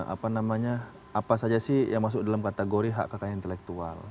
apa namanya apa saja sih yang masuk dalam kategori hak kekayaan intelektual